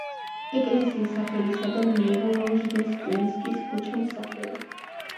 ეკლესიის სახელისაგან მიიღო როჟდესტვენსკის ქუჩამ სახელი.